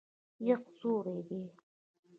یخ سوړ دی.